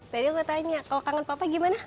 tadi gue tanya kalau kangen papa gimana